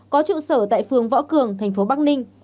có trụ sở tại phường võ cường tp bắc đông